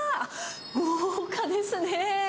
豪華ですね。